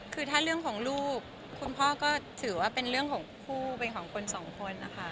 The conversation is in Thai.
คุณพ่อก็ถือว่าเป็นเรื่องของคู่เป็นของคนสองคน